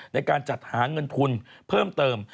ในการจัดหาเงินทุนเพิ่มเติม